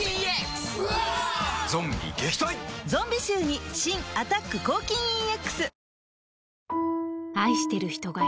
ゾンビ臭に新「アタック抗菌ＥＸ」